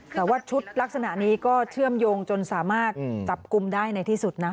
แต่ว่าชุดลักษณะนี้ก็เชื่อมโยงจนสามารถจับกลุ่มได้ในที่สุดนะ